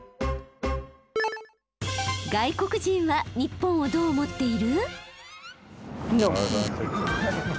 外国人は日本をどう思っている？